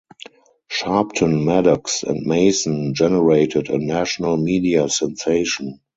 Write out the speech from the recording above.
Sharpton, Maddox, and Mason generated a national media sensation.